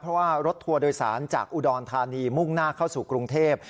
เพราะว่ารถทัวร์โดยสารจากอุดรธานีมุ่งหน้าเข้าสู่กรุงเทพ